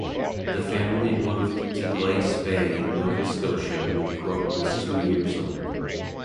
The family moved to Glace Bay, Nova Scotia when Croak was two years old.